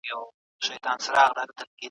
څنګه رواني ډاکټر زموږ له ذهن سره مرسته کوي؟